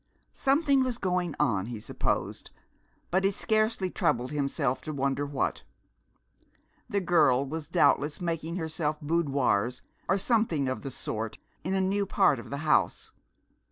Something was going on, he supposed, but he scarcely troubled himself to wonder what. The girl was doubtless making herself boudoirs or something of the sort in a new part of the house.